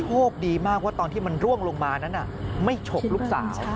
โชคดีมากว่าตอนที่มันร่วงลงมานั้นไม่ฉกลูกสาว